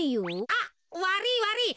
あっわりいわりい。